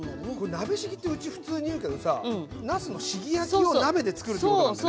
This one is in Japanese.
鍋しぎってうち普通に言うけどさなすのしぎ焼きを鍋で作るっていうことなんだよね。